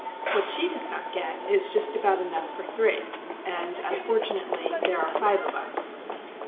What she does not get is just about enough for three,—and, unfortunately, there are five of us.